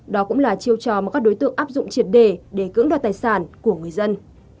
đó cũng là chiêu trò mà các đối tượng áp dụng triệt đề để cưỡng đoạt tài sản của người dân